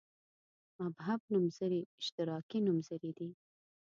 مبهم نومځري اشتراکي نومځري دي.